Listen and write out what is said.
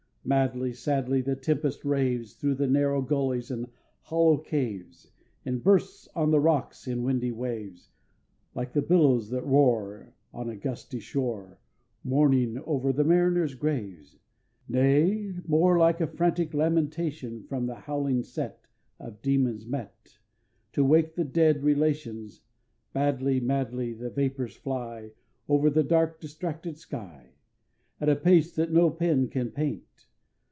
Madly, sadly, the Tempest raves Through the narrow gullies and hollow caves, And bursts on the rocks in windy waves, Like the billows that roar On a gusty shore Mourning over the mariners' graves Nay, more like a frantic lamentation From a howling set Of demons met To wake a dead relation. Badly, madly, the vapors fly Over the dark distracted sky, At a pace that no pen can paint!